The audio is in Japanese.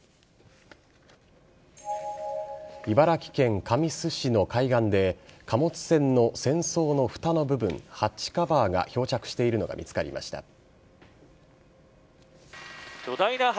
茨城県神栖市の海岸で貨物船の船倉のふたの部分ハッチカバーが漂着しているのが見つかりました。